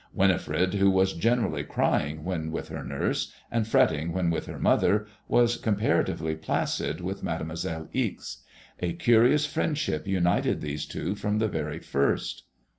Winifred, who was generally crying when with her nurse, and fretting when with her mother, was compara tively placid with Mademoiselle Ixe. A curious friendship united these two from the very first.